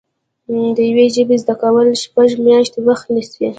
د یوې ژبې زده کول شپږ میاشتې وخت نیسي